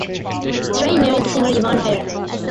Strain married the singer Yvonne Fair.